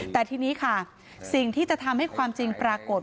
แต่ทีนี้ค่ะสิ่งที่จะทำให้ความจริงปรากฏ